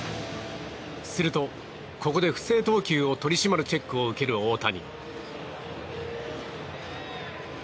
すると、ここで不正投球を取り締まるチェックを受ける大谷。